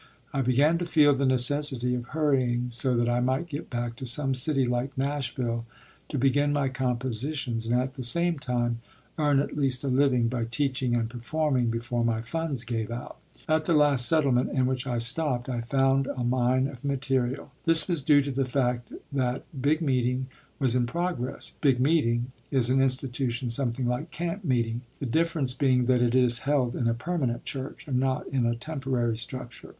I began to feel the necessity of hurrying so that I might get back to some city like Nashville to begin my compositions and at the same time earn at least a living by teaching and performing before my funds gave out. At the last settlement in which I stopped I found a mine of material. This was due to the fact that "big meeting" was in progress. "Big meeting" is an institution something like camp meeting, the difference being that it is held in a permanent church, and not in a temporary structure.